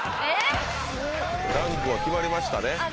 ダンクは決まりましたね。